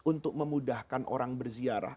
untuk memudahkan orang berziarah